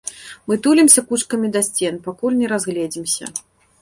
Мы тулімся кучкамі да сцен, пакуль не разгледзімся.